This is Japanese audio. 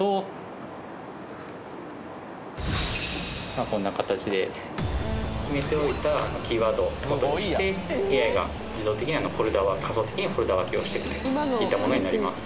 まあこんな形で決めておいたキーワードごとにしてＡＩが自動的に仮想的にフォルダ分けをしてくれるといったものになります。